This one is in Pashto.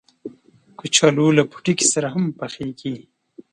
کچالو له پوټکي سره هم پخېږي